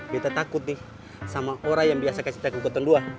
beta takut nih sama orang yang biasa kasih kaget kukutan luar